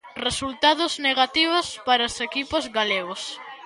Resultados negativos para os equipos galegos.